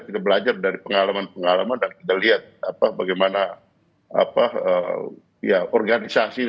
kita belajar dari pengalaman pengalaman dan kita lihat bagaimana organisasi